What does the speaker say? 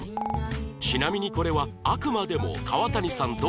ちなみにこれはあくまでも川谷さん